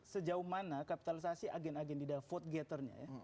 sejauh mana kapitalisasi agen agen di dalam vote getter nya